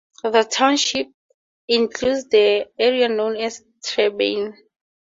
The township includes the area known as Trebein.